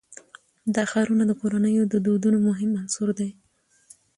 دا ښارونه د کورنیو د دودونو مهم عنصر دی.